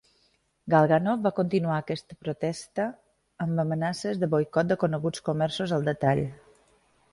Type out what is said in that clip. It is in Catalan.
Galganov va continuar aquest protesta amb amenaces de boicot de coneguts comerços al detall.